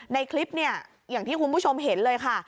ในคลิปเนี่ยอย่างที่คุณผู้ชมเห็นเลยค่ะ